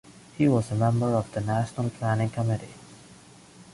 He was a member of the National Planning Committee.